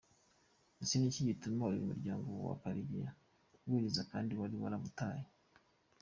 Ese ni iki gituma uyu muryango wa Karegeya wiriza kandi wari waramutaye